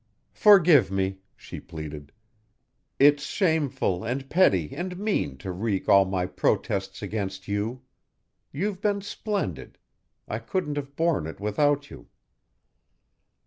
"Forgive me," she pleaded. "It's shameful and petty and mean to wreak all my protests against you. You've been splendid. I couldn't have borne it without you."